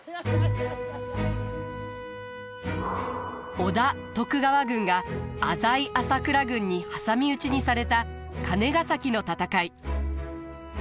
織田徳川軍が浅井朝倉軍に挟み撃ちにされた金ヶ崎の戦い。